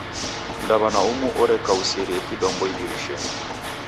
Mdaw'ana umu orekauserie kidombo idirishenyi.